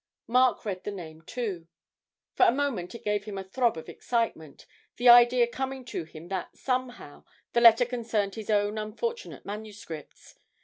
Mark read the name too. For a moment it gave him a throb of excitement, the idea coming to him that, somehow, the letter concerned his own unfortunate manuscripts.